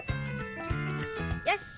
よし！